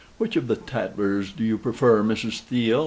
"Which of the 'Tatlers' do you prefer, Mrs. Steele?"